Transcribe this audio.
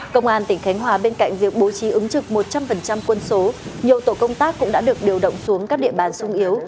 công an tỉnh khánh hòa bên cạnh việc bố trí ứng trực một trăm linh quân số nhiều tổ công tác cũng đã được điều động xuống các địa bàn sung yếu